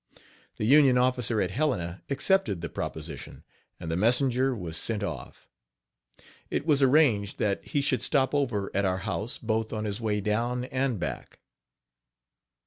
The Union officer at Helena accepted the proposition, and the messenger was sent off. It was arranged that he should stop over at our house, both on his way down and back.